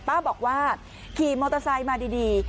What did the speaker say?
ป้าบอกว่าขี่มอเตอร์ไซค์มาดี